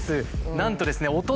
なんとですねお隣